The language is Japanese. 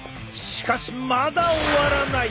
しかしまだ終わらない！